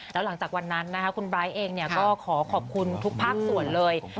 แล้วหลังจากวันนั้นคุณไบร์ทเองก็ขอขอบคุณทุกภาคส่วนเลย